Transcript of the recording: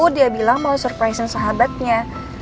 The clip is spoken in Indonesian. dia bilang mau surprise in sahabatnya